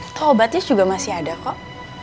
atau obatnya juga masih ada kok